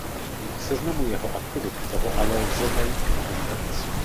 V seznamu jeho aktivit toho ale lze najít mnohem víc.